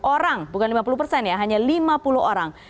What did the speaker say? orang bukan lima puluh persen ya hanya lima puluh orang